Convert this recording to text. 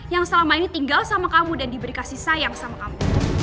yang selama ini tinggal sama kamu dan diberi kasih sayang sama kamu